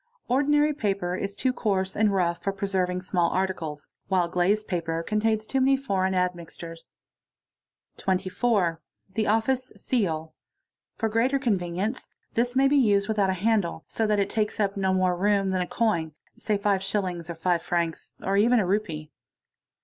Ordinary paper is too coarse and 'rough for preserving small articles, while glazed paper contains too many foreign admixtures. . q 24. The office seal. For greater convenience this may be used with it a handle, so that it takes up no more room than a coin, say five lillings or five francs, or even a rupee.